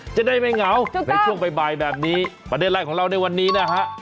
จะได้ไม่เหงาในช่วงบ่ายแบบนี้ประเด็นแรกของเราในวันนี้นะฮะ